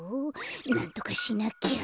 なんとかしなきゃ。